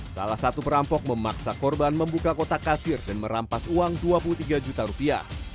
salah satu perampok memaksa korban membuka kotak kasir dan merampas uang dua puluh tiga juta rupiah